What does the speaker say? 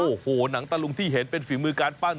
โอ้โหหนังตะลุงที่เห็นเป็นฝีมือการปั้น